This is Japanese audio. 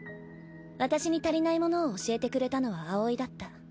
私に足りないものを教えてくれたのは葵だった。